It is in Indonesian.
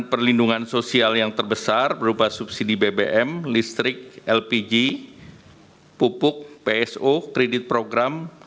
perlindungan sosial yang terbesar berupa subsidi bbm listrik lpg pupuk pso kredit program